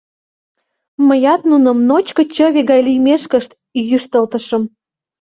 Мыят нуным ночко чыве гай лиймешкышт йӱштылтышым.